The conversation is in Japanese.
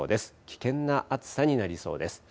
危険な暑さになりそうです。